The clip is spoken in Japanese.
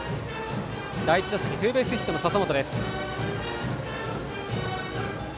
第１打席、ツーベースヒットの笹本です。